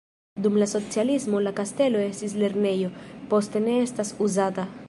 Dum la socialismo la kastelo estis lernejo, poste ne estas uzata.